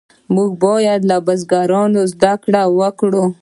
موږ باید له بزرګانو زده کړه وکړو.